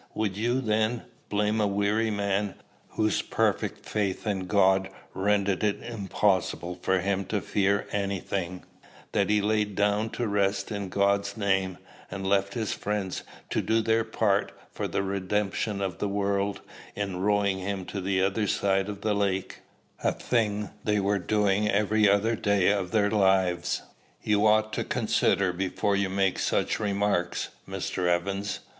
Would you, then, blame a weary man, whose perfect faith in God rendered it impossible for him to fear any thing, that he lay down to rest in God's name, and left his friends to do their part for the redemption of the world in rowing him to the other side of the lake, a thing they were doing every other day of their lives? You ought to consider before you make such remarks, Mr. Evans.